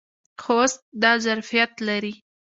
خوست دا ظرفیت لري.